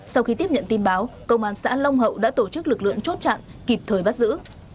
sau khi tiếp nhận tin báo công an xã long hậu đã tổ chức lực lượng chốt chặn kịp thời bắt giữ